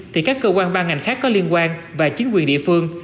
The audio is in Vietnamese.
thì các cơ quan ban ngành khác có liên quan và chính quyền địa phương